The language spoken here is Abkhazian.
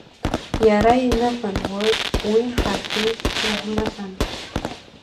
Иара иныҳәан, уи ҳаргьы иаҳныҳәан…